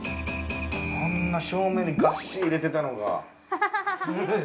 あんなしょう明にガッシーン入れてたのが。